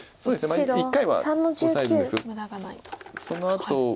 そのあと。